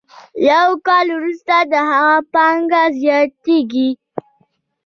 یو کال وروسته د هغه پانګه زیاتېږي